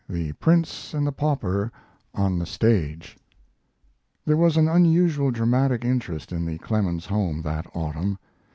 "THE PRINCE AND THE PAUPER" ON THE STAGE There was an unusual dramatic interest in the Clemens home that autumn.